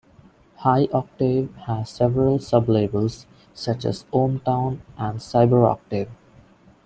High Octave has several sub-labels, such as OmTown and CyberOctave.